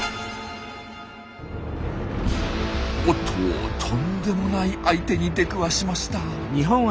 おっととんでもない相手に出くわしました。